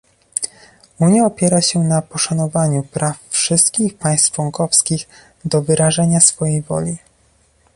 Unia opiera się na poszanowaniu praw wszystkich państw członkowskich do wyrażenia swojej woli